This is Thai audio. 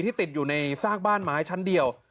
ติดอยู่ในซากบ้านไม้ชั้นเดียว